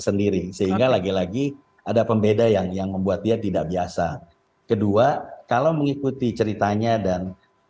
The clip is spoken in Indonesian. sendiri sehingga lagi lagi ada pembeda yang yang membuat dia tidak biasa kedua kalau mengikuti ceritanya dan